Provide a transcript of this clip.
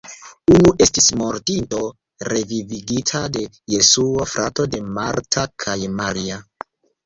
Unu estis mortinto revivigita de Jesuo, frato de Marta kaj Maria.